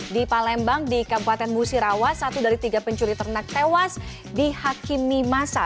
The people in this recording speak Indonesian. di palembang di kabupaten musirawa satu dari tiga pencuri ternak tewas dihakimi masa